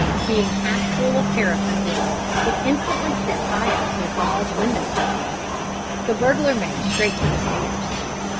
Being half full of paraffin oil it instantly set fire to the gauze window curtains. The burglar made straight for the stairs.